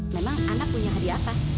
memang anak punya hadiah apa